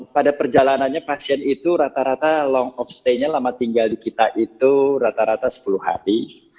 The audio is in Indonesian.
pada perjalanannya pasien itu rata rata long of stay nya lama tinggal di kita itu rata rata sepuluh hari